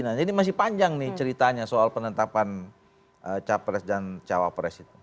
nah ini masih panjang nih ceritanya soal penetapan capres dan cawapres itu